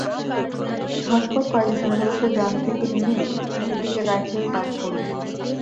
ঝটপট কয়েকজন সেনাসদস্য যান থেকে নেমে তাঁদের দিকে রাইফেল তাক করলেন।